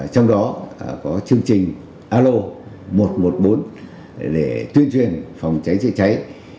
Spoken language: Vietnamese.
trong đó có chương trình alo một trăm một mươi bốn để tuyên truyền phòng cháy chữa cháy